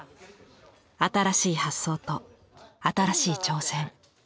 新しい発想と新しい挑戦。